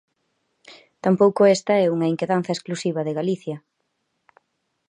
Tampouco esta é unha inquedanza exclusiva de Galicia.